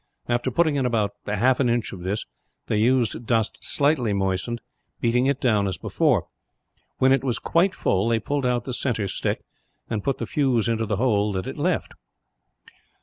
After putting in about half an inch of this, they used dust slightly moistened, beating it down as before. When it was quite full, they pulled out the centre stick, and put the fuse into the hole that it left."